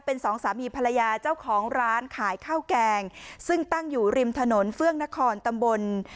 เป็นสองสามีภรรยาเจ้าของร้านขายข้าวแกงซึ่งตั้งอยู่ริมถนนเฟื่องนครตำบล